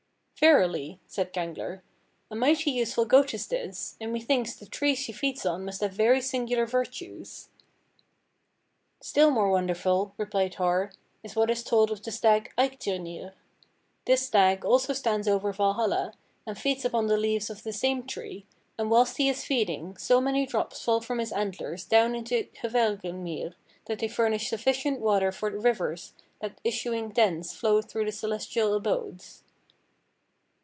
"Verily," said Gangler, "a mighty useful goat is this, and methinks the tree she feeds on must have very singular virtues." "Still more wonderful," replied Har, "is what is told of the stag Eikthyrnir. This stag also stands over Valhalla and feeds upon the leaves of the same tree, and whilst he is feeding so many drops fall from his antlers down into Hvergelmir that they furnish sufficient water for the rivers that issuing thence flow through the celestial abodes."